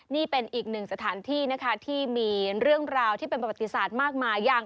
นี่เป็นอีกหนึ่งสถานที่นะคะที่มีเรื่องราวที่เป็นประวัติศาสตร์มากมายอย่าง